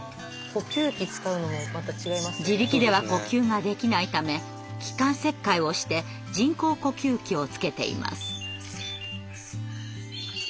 自力では呼吸ができないため気管切開をして人工呼吸器をつけています。